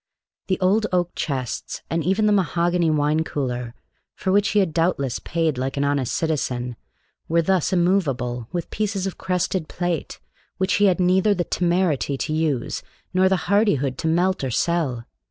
The old oak chests, and even the mahogany wine cooler, for which he had doubtless paid like an honest citizen, were thus immovable with pieces of crested plate, which he had neither the temerity to use nor the hardihood to melt or sell.